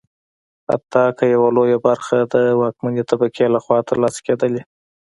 حتی که یوه لویه برخه د واکمنې طبقې لخوا ترلاسه کېدلی.